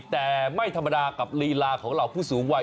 แต่ไม่ธรรมดากับลีลาของเหล่าผู้สูงวัย